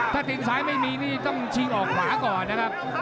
ถ้าตีนซ้ายไม่มีนี่ต้องชิงออกขวาก่อนนะครับ